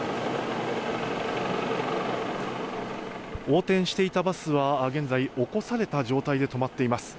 横転していたバスは現在、起こされた状態で止まっています。